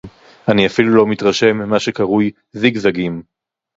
אני אפילו לא מתרשם ממה שקרוי זיגזגים